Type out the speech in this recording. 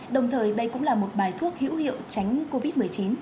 đồng thời đây cũng là một bài thuốc hữu hiệu tránh covid một mươi chín